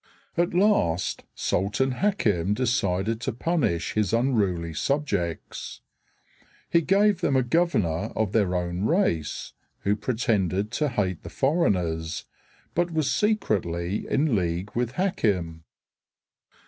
At last Sultan Hakim decided to punish his unruly subjects. He gave them a governor of their own race, who pretended to hate the foreigners, but was secretly in league with Hakim.